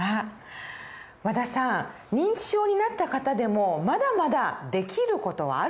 認知症になった方でもまだまだできる事はあるんですよね。